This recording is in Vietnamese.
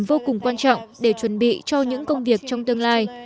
vô cùng quan trọng để chuẩn bị cho những công việc trong tương lai